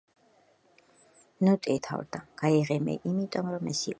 ნუ ტირი იმიტომ, რომ ეს დამთავრდა. გაიღიმე იმიტომ რომ ეს იყო.